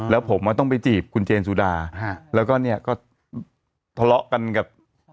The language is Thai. แล้วผมต้องไปจีบคุณเจนสุดาแล้วก็เนี่ยก็ทะเลาะกันกับ